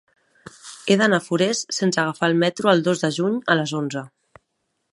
He d'anar a Forès sense agafar el metro el dos de juny a les onze.